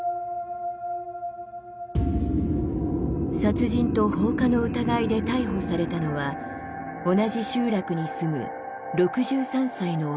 殺人と放火の疑いで逮捕されたのは同じ集落に住む６３歳の男だった。